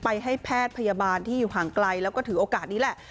ให้แพทย์พยาบาลที่อยู่ห่างไกลแล้วก็ถือโอกาสนี้แหละ